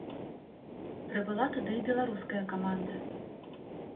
Прыбыла туды і беларуская каманда.